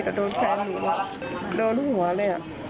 แต่โดนแฟนหนูอ่ะโดนหัวเลยอ่ะ